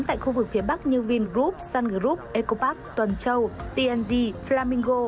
tại khu vực phía bắc như vingroup sun group ecopark toàn châu tng flamingo